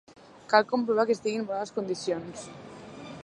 Cal comprovar que estigui en bones condicions.